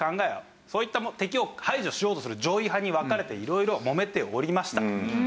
そういった敵を排除しようとする攘夷派に分かれて色々もめておりました。